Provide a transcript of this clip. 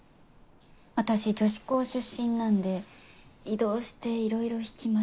私女子校出身なんで異動していろいろ引きました。